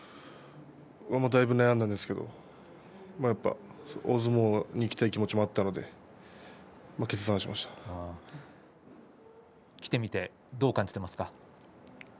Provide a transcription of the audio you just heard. だいぶ悩んだんですけれどやっぱり、大相撲に行きたい気持ちもあったので来てみてどう感じていますか。